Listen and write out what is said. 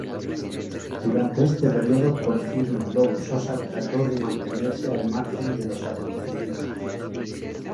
Durante este periodo, Porfirio Lobo Sosa trató de mantenerse al margen de los acontecimientos.